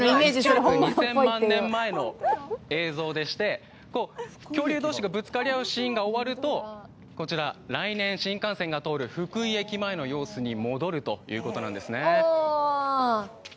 １億２０００万年前の映像でして、恐竜同士のぶつかり合うシーンが終わりますとこちら、来年新幹線が通る福井駅前の様子に戻るということなんですね。